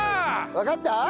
わかった？